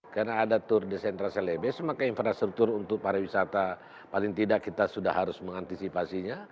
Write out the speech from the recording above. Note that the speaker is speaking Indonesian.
karena ada tour de centrale salabes maka infrastruktur untuk para wisata paling tidak kita sudah harus mengantisipasinya